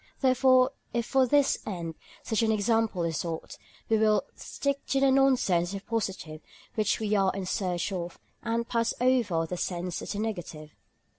Therefore if for this end such an example is sought, we will stick to the nonsense as the positive which we are in search of, and pass over the sense as the negative.